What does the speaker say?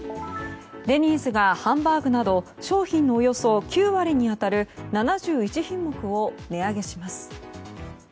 デニーズがハンバーグなど商品のおよそ９割に当たる７１品目を値上げします。